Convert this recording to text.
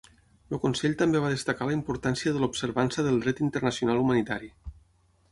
El Consell també va destacar la importància de l'observança del dret internacional humanitari.